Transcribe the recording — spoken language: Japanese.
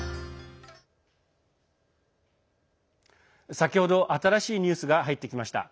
先ほど新しいニュースが入ってきました。